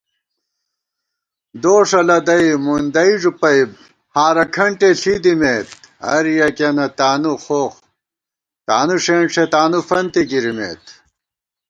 دوݭہ لدَئی مُندَئی ݫُپَئی ہارہ کھنٹےݪِی دِمېت * ہر یَکِیَنہ تانُو خوخ تانُو ݭېنݭےتانُوفنتےگِرِمېت